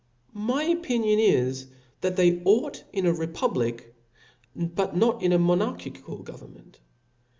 My^*®"* opinion is, that they ought in a republic, but not in a monarchical government.